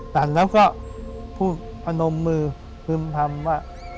สั่นแล้วก็พูดประนมมือพึ่งพรรมว่า